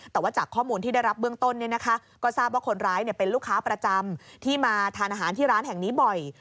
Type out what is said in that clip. แต่ว่าจากข้อมูลที่ได้รับเบื้องต้นก็ทราบว่าคนร้ายเป็นลูกค้าประจำที่มาทานอาหารที่ร้านแห่งนี้บ่อย